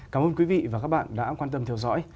cảm ơn quý vị và các bạn đã quan tâm theo dõi